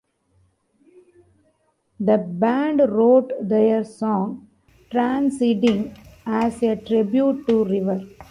The band wrote their song "Transcending" as a tribute to River.